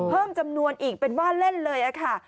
เพิ่มจำนวนอีกเป็นว่าเล่นเลยค่ะ